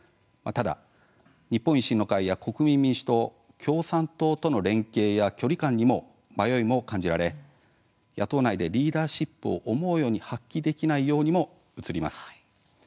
ただ日本維新の会や国民民主党共産党との連携や距離感にも迷いも感じられ野党内でリーダーシップを思うように発揮できないようにも映ります。